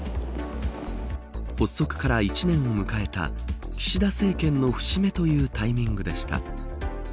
発足から１年を迎えた岸田政権の節目というタイミングでした。